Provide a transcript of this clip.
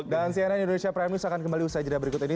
cnn indonesia prime news akan kembali usai jadwal berikut ini